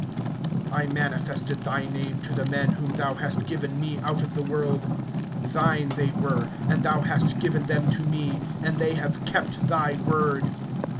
(6)I manifested thy name to the men whom thou hast given me out of the world. Thine they were, and thou hast given them to me; and they have kept thy word.